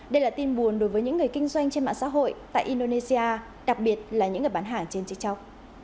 đây là tin buồn đối với những người kinh doanh trên mạng xã hội tại indonesia đặc biệt là những người bán hàng trên chiếc chóc